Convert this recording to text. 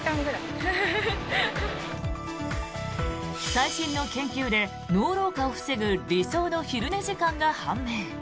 最新の研究で、脳老化を防ぐ理想の昼寝時間が判明。